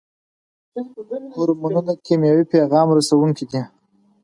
هورمونونه کیمیاوي پیغام رسوونکي دي